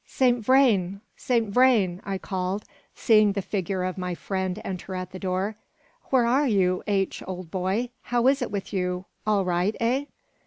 "Saint Vrain! Saint Vrain!" I called, seeing the figure of my friend enter at the door. "Where are you, H., old boy. How is it with you? all right, eh?"